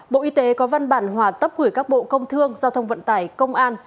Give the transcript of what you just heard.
bộ y tế có văn bản hòa tấp gửi các bộ công thương giao thông vận tải công an